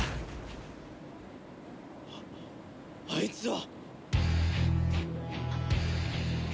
あっあいつは！